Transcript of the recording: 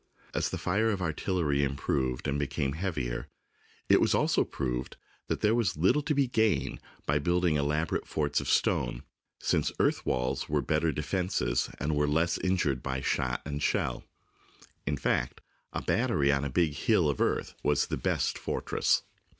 As the fire of artillery improved and became heavier, it also was proved that there was little to be gained by building elaborate forts of THE BOOK OF FAMOUS SIEGES stone, since earth walls were better defences and were less injured by shot and shell. In fact, a battery on a big hill of earth was the best fortress.